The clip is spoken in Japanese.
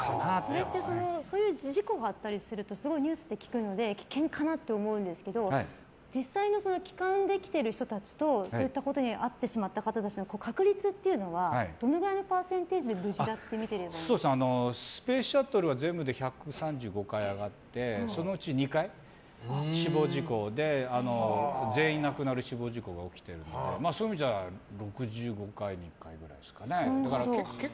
それってそういう事故があったりするとすごいニュースで聞くので危険かなと思うんですけど実際の帰還できてる人たちとそういったことに遭ってしまった方たちって確率っていうのはどのくらいのパーセンテージで無事だっていうふうに「スペースシャトル」は全部で１３５回上がってそのうち２回死亡事故で全員亡くなる死亡事故が起きているのでそういう意味では６５回に１回くらいですかね。